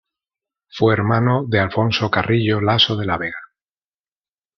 Fue hermano de Alfonso Carrillo Lasso de la Vega.